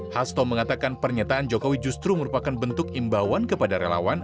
hasto mengatakan pernyataan jokowi justru merupakan bentuk imbauan kepada relawan